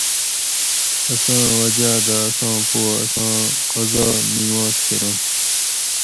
اساۤں وجاۤ دہ اساں پو اساۤں قضا نماز کرنش